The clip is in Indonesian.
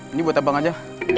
ini buat abang aja